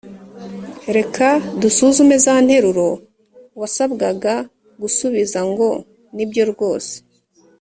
Reka dusuzume za nteruro wasabwaga gusubiza ngo ni byo rwose